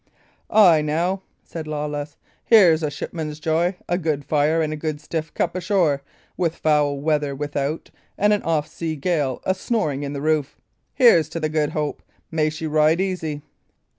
"Ay, now," said Lawless, "here is a shipman's joy a good fire and a good stiff cup ashore, with foul weather without and an off sea gale a snoring in the roof! Here's to the Good Hope! May she ride easy!"